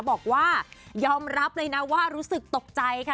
บอกว่ายอมรับเลยนะว่ารู้สึกตกใจค่ะ